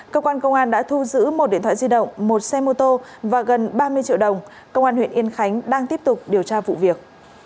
cơ quan công an đã thu giữ một điện thoại di động một xe mô tô và gần ba mươi triệu đồng công an huyện yên khánh đang tiếp tục điều tra vụ việc